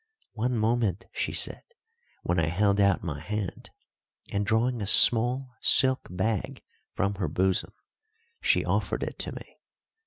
"One moment," she said, when I held out my hand, and, drawing a small silk bag from her bosom, she offered it to me.